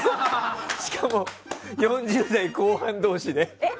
しかも４０代後半同士で。